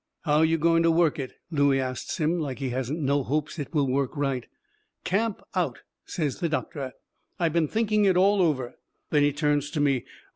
"How you going to work it?" Looey asts him, like he hasn't no hopes it will work right. "Camp out," says the doctor. "I've been thinking it all over." Then he turns to me.